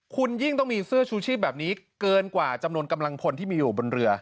คุณยิ่งต้องมีเสื้อชูชีพแบบนี้เกินกว่าจำนวนกำลังพลที่มีอยู่บนเรือ